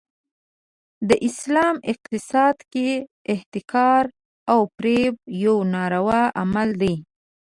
د اسلام اقتصاد کې احتکار او فریب یو ناروا عمل دی.